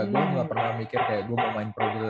gua ga pernah mikir kayak gua mau main pro gitu